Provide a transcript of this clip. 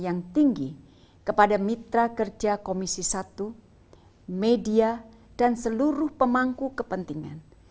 yang tinggi kepada mitra kerja komisi satu media dan seluruh pemangku kepentingan